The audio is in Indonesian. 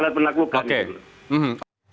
kekasih penaklukan itu